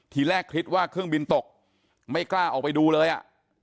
ทีแรกคิดว่าเครื่องบินตกไม่กล้าออกไปดูเลยอ่ะ